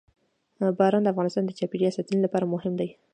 باران د افغانستان د چاپیریال ساتنې لپاره مهم دي.